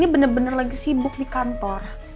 bener bener lagi sibuk di kantor